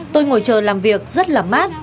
tôi ngồi chờ làm việc rất là mát